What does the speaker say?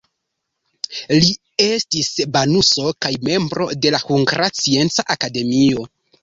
Li estis banuso kaj membro de Hungara Scienca Akademio.